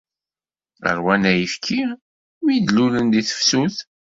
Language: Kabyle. Rwan ayefki, imi d-lulen di tefsut.